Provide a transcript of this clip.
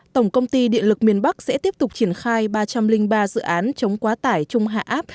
tổng công ty điện lực miền bắc sẽ tiếp tục triển khai ba trăm linh ba dự án chống quá tải chung hạ áp